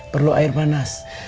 perlu air panas